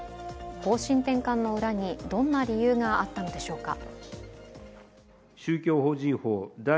方針転換の裏にどんな理由があったのでしょうか。